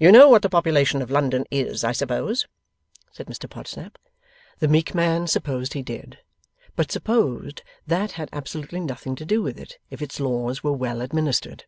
'You know what the population of London is, I suppose,' said Mr Podsnap. The meek man supposed he did, but supposed that had absolutely nothing to do with it, if its laws were well administered.